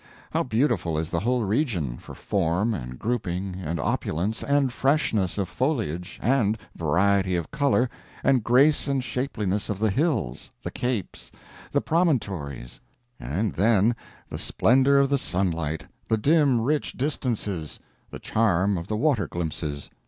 How beautiful is the whole region, for form, and grouping, and opulence, and freshness of foliage, and variety of color, and grace and shapeliness of the hills, the capes, the promontories; and then, the splendor of the sunlight, the dim rich distances, the charm of the water glimpses!